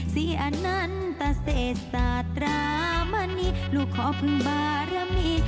ซี่อันนั้นตะเซสตรามณีลูกขอเพิ่งบารมี